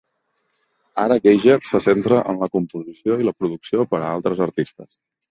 Ara Geiger se centra en la composició i la producció per a altres artistes.